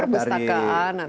dari perpustakaan atau